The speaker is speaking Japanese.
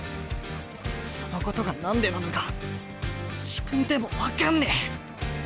そのことが何でなのか自分でも分かんねえ。